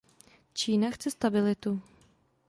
Čína chce stabilitu.